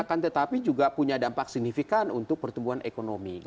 akan tetapi juga punya dampak signifikan untuk pertumbuhan ekonomi